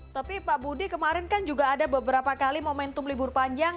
tapi pak budi kemarin kan juga ada beberapa kali momentum libur panjang